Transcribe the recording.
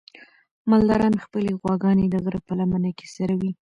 مالداران خپلې غواګانې د غره په لمنه کې څروي.